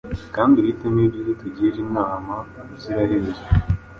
Kandi uhitemo ibyiza utugire inama ubuziraherezo